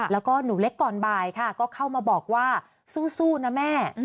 แล้วก็หนูเล็กก่อนบ่ายค่ะก็เข้ามาบอกว่าสู้นะแม่